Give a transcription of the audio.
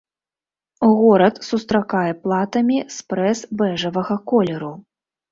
Горад сустракае платамі спрэс бэжавага колеру.